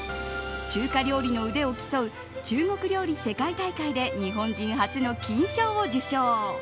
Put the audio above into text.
中華料理の腕を競う中国料理世界大会で日本人初の金賞を受賞。